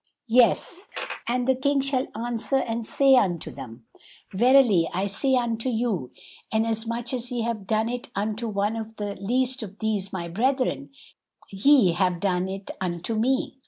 "Yes, And the King shall answer and say unto them, 'Verily I say unto you, inasmuch as ye have done it unto one of the least of these my brethren, ye have done it unto me.'"